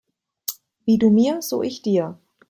Wie du mir, so ich dir.